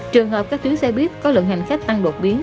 trường hợp các tuyến xe buýt có lượng hành khách tăng đột biến